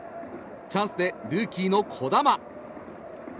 チャンスでルーキーの児玉。